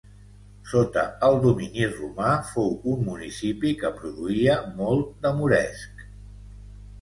Sota el domini romà fou un municipi que produïa molt de moresc.